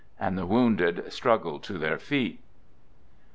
" And the wounded struggled to their feet.